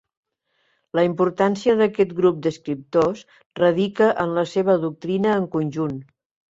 La importància d'aquest grup d'escriptors radica en la seva doctrina en conjunt.